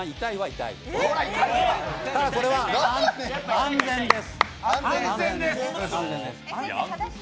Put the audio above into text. ただ、これは安全です。